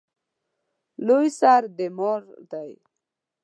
لوی سر د مار دی